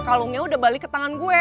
kalungnya udah balik ke tangan gue